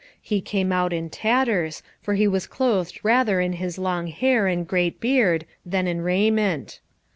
He came out in tatters, for he was clothed rather in his long hair and great beard, than in raiment.